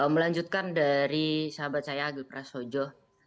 melanjutkan dari sahabat saya agil prasojo